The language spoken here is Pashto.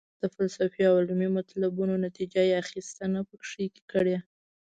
د فلسفي او علمي مطلبونو نتیجه یې اخیستنه پکې کړې.